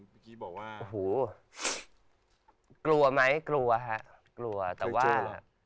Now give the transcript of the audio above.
ไกลคิดบอกว่าขู้กลัวมั้ยกลัวครับกลัวแต่ว่า